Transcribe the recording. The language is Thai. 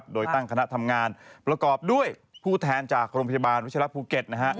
โดยตั้งคณะทำงานประกอบด้วยผู้แทนจากโรงพยาบาลวิชรับภูเก็ต